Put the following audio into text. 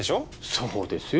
そうですよ